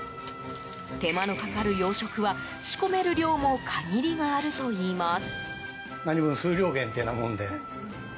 手間のかかる洋食は仕込める量も限りがあるといいます。